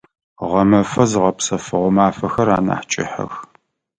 Гъэмэфэ зыгъэпсэфыгъо мафэхэр анахь кӏыхьэх.